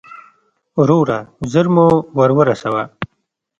وروره، ژر مو ور ورسوه.